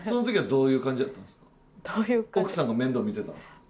どういう感じ奥さんが面倒見てたんですか？